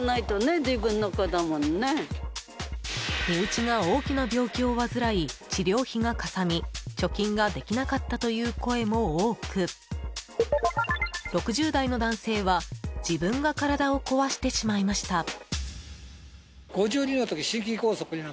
身内が大きな病気を患い治療費がかさみ貯金ができなかったという声も多く６０代の男性は自分が体を壊してしまいました。